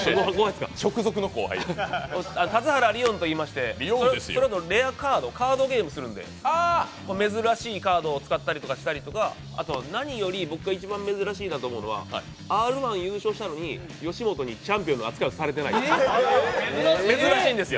田津原理音といいましてレアカード、カードゲームするんで珍しいカードを使ったりとかしたりとか、何より僕が珍しいと思うのが、Ｒ−１優勝したのに吉本にチャンピオンの扱いをされてない、珍しいんですよ。